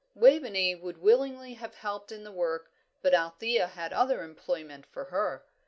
Waveney would willingly have helped in the work, but Althea had other employment for her.